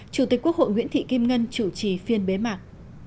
chủ tịch quốc hội nguyễn thị kim ngân chủ trì phiên bế mạc